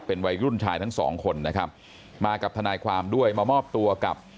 เป็นวัยรุ่นชายทั้งสองคนนะครับมากับทนายความด้วยมามอบตัวกับ